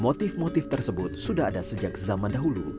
motif motif tersebut sudah ada sejak zaman dahulu